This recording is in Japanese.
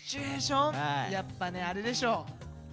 やっぱねあれでしょ。